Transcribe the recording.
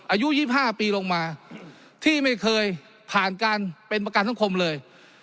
อายุ๒๕ปีลงมาที่ไม่เคยผ่านการเป็นประกันสังคมเลย